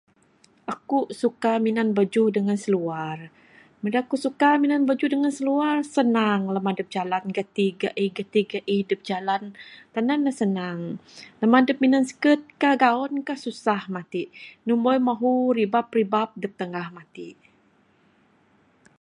Aku'k suka minan bajuh dengan seluar, Bada kuk suka minan bajuh dengan seluar, senang lama dup jalan gati gaih gati gaih dup jalan. Tenan ne senang. Lama dup minan skirt kah gaun kah, susah matik. Numboi mahu ribak ribak dup tangah matik.